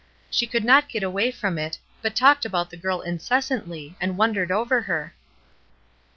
She could not get away from it, but talked about the girl incessantly, and wondered over her.